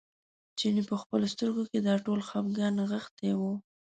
چیني په خپلو سترګو کې دا ټول خپګان نغښتی و.